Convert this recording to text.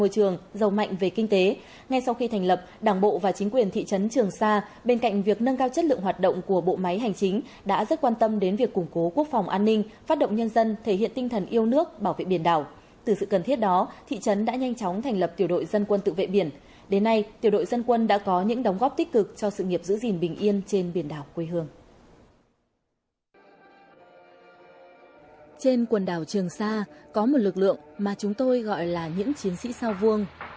trên quần đảo trường sa có một lực lượng mà chúng tôi gọi là những chiến sĩ sao vuông